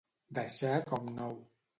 Deixar com nou.